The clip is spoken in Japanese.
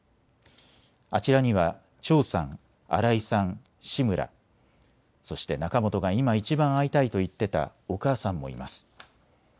あちらには長さん、荒井さん、志村、そして仲本が今１番逢いたいと言ってたお母さんもいます。